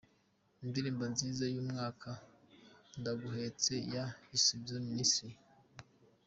Indirimbo nziza y’Umwaka: Ndaguhetse ya Gisubizo Ministries.